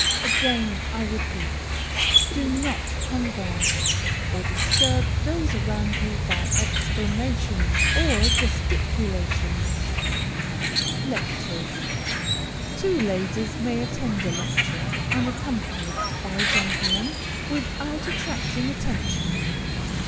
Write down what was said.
Again, I repeat, do not converse, or disturb those around you by exclamations or gesticulations. LECTURES Two ladies may attend a lecture, unaccompanied by a gentleman, without attracting attention.